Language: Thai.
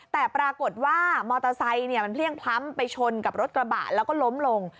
แต่ปรากฏว่ามอเตอร์ไซค์มันเพลี่ยงพล้ำไปชนกับรถกระบะแล้วก็ล้มลง